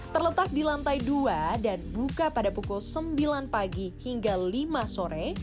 terletak di lantai dua dan buka pada pukul sembilan pagi hingga lima sore